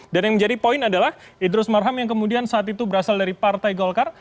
dan yang menjadi poin adalah idrus marham yang kemudian saat itu berasal dari partai golkar